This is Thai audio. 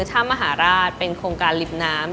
ถ้ำมหาราชเป็นโครงการริมน้ำ